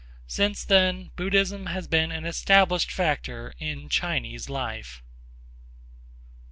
Since then Buddhism has been an established factor in Chinese life.